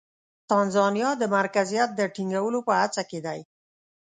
تانزانیا د مرکزیت د ټینګولو په هڅه کې دی.